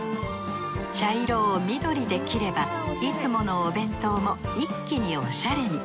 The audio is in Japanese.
茶色を緑で切ればいつものお弁当も一気におしゃれに。